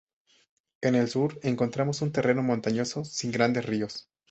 En el sur encontramos un terreno montañoso sin grandes ríos.